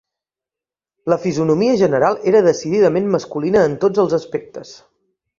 La fisonomia general era decididament masculina en tots els aspectes.